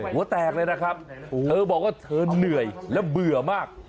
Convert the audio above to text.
หัวแตกเลยนะครับเธอบอกว่าเธอเหนื่อยและเบื่อมาก